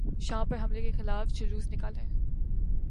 شام پر حملے کیخلاف جلوس نکالیں